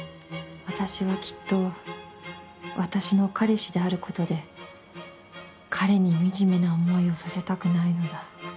私はきっと、私の彼氏であることで、彼に惨めな思いをさせたくないのだ。